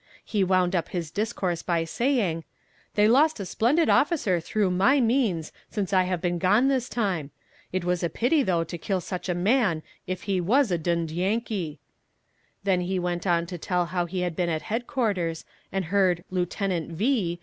He wound up his discourse by saying: "They lost a splendid officer through my means since I have been gone this time. It was a pity though to kill such a man if he was a d d Yankee." Then he went on to tell how he had been at headquarters, and heard "Lieutenant V."